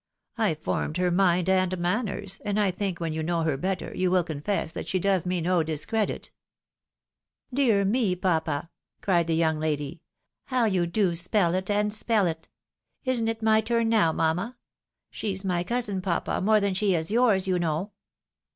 I formed her mind and manners ; and I think when you know her better, you vdTl confess that she does me no discredit." " Dear me, papa," cried the young lady, "how you do spell it and spell it ! Isn't it my turn now, mamma ? She's my cousin, papa, more than she is yours, you know."